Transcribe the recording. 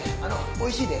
おいしいで。